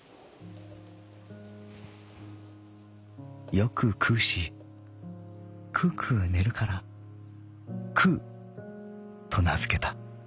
「よく食うしくうくう寝るから『くう』と名づけた」。